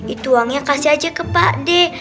itu uangnya kasih aja ke pak de